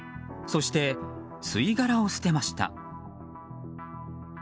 そして吸い殻を捨てました。